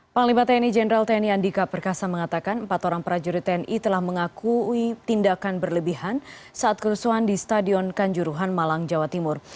panglima tni jenderal tni andika perkasa mengatakan empat orang prajurit tni telah mengakui tindakan berlebihan saat kerusuhan di stadion kanjuruhan malang jawa timur